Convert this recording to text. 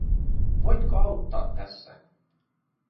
Voitko auttaa tässä?